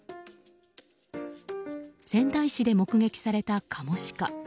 仙台市で目撃されたカモシカ。